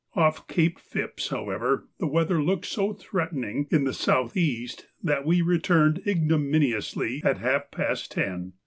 Off Cape Phipps, however, the weather looked so threatening in the south east that we returned ignominiously at half past ten.